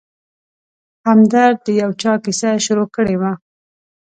همدرد د یو چا کیسه شروع کړې وه.